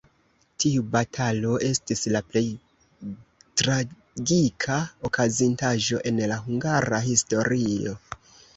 Tiu batalo estis la plej tragika okazintaĵo en la hungara historio.